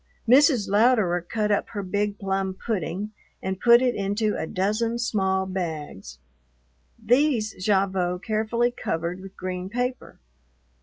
Mrs. Louderer cut up her big plum pudding and put it into a dozen small bags. These Gavotte carefully covered with green paper.